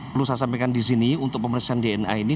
terus saya sampaikan di sini untuk pembersihan dna ini